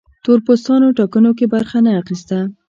تور پوستان ټاکنو کې برخه نه اخیسته.